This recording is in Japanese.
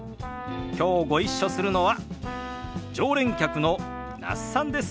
きょうご一緒するのは常連客の那須さんです。